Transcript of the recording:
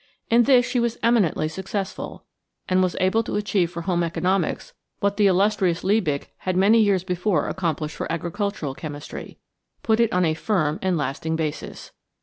In this she was eminently successful, and was able to achieve for home economics what the illustrious Liebig had many years before accomplished for agricultural chemistry put it on a firm and lasting basis.